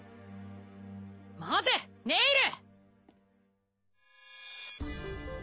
待てネイル！